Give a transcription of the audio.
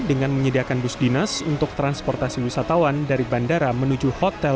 dengan menyediakan bus dinas untuk transportasi wisatawan dari bandara menuju hotel